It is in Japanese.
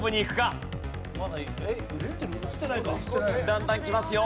だんだんきますよ。